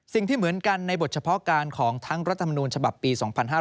สิ่งที่เหมือนกันในบทเฉพาะการของทั้งรัฐมนูญฉบับปี๒๕๕๙